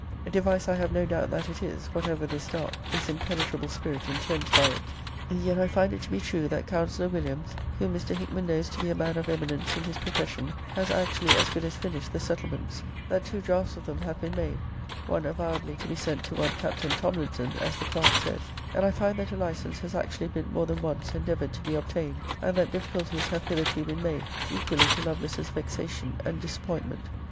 Device I have no doubt that it is, whatever this dark, this impenetrable spirit intends by it. >>> And yet I find it to be true, that Counsellor Williams (whom Mr. Hickman knows to be a man of eminence in his profession) has actually as good >>> as finished the settlements: that two draughts of them have been made; one avowedly to be sent to one Captain Tomlinson, as the clerk says: and I find that a license has actually been more than once endeavoured to be obtained; and that difficulties have hitherto been made, equally to Lovelace's >>> vexation and disappointment.